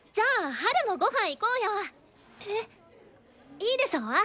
いいでしょ？